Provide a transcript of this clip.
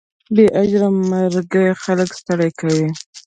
بې اجره مرکې خلک ستړي کوي.